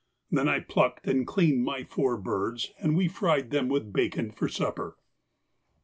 I then plucked and cleaned my four birds, and we fried them with bacon for supper.